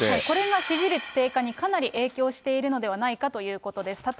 これが支持率低下にかなり影響しているのではないかということです。